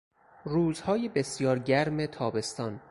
روزهای بسیار گرم تابستان